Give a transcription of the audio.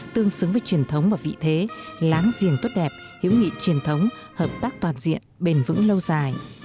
tương xứng với truyền thống và vị thế láng giềng tốt đẹp hữu nghị truyền thống hợp tác toàn diện bền vững lâu dài